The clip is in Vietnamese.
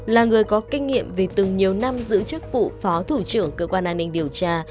là người có kinh nghiệm vì từng nhiều năm giữ chức vụ phó thủ trưởng cơ quan an ninh điều tra